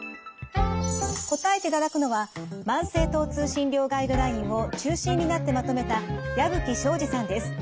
答えていただくのは慢性疼痛診療ガイドラインを中心になってまとめた矢吹省司さんです。